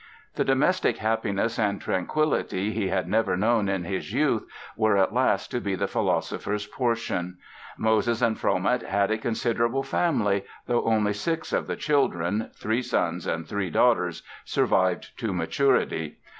The domestic happiness and tranquility he had never known in his youth were at last to be the philosopher's portion. Moses and Fromet had a considerable family, though only six of the children—three sons and three daughters—survived to maturity.